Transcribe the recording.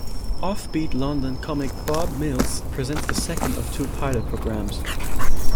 Offbeat London comic Bob Mills presents the second of two pilot programmes.